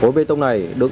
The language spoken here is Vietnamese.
khối bê tông này được